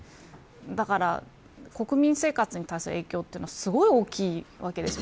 だから、国民生活に対する影響はすごい大きいわけです。